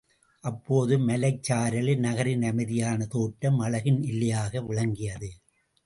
அப்போது மலைச்சாரலில் நகரின் அமைதியான தோற்றம் அழகின் எல்லையாக விளங்கியது.